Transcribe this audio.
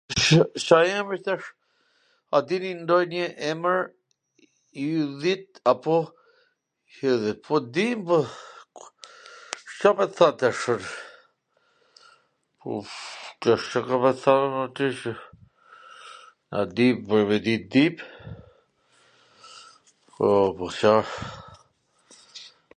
Ca jemi tash? A dini nonjw emwr yllit apo ylli? Po, dim, po Ca me t than tash un? Ca kam me t than un ty tash, a din pwr me dit dim, po, po, Ca?